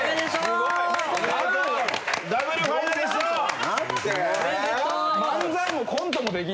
すごいわ。